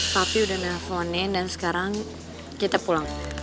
papi udah meneleponin dan sekarang kita pulang